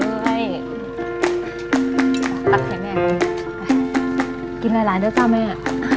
นี่ปั๊กเผ็ดแม่ไปกินร้ายเดี๋ยวเจ้าแม่